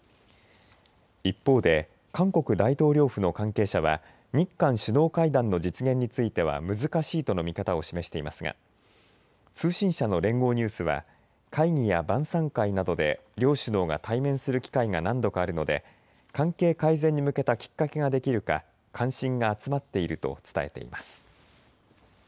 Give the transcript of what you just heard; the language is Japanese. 一方で韓国大統領府の関係者は日韓首脳会談の実現については難しいとの見方を示していますが通信社の連合ニュースは会議や晩さん会などで両首脳が対面する機会が何度かあるので関係改善に向けたきっかけができるか関心が集まっていると伝えています。